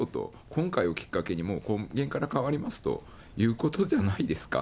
今回をきっかけに、根本から変わりますということじゃないですか。